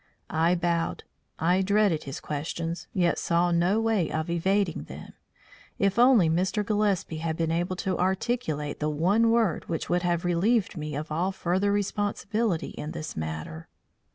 I bowed. I dreaded his questions, yet saw no way of evading them. If only Mr. Gillespie had been able to articulate the one word which would have relieved me of all further responsibility in this matter!